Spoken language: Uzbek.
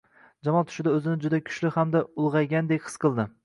Jamol tushida o`zini juda kuchli hamda ulg`aygandek his qildi